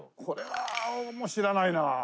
「これは俺も知らないな」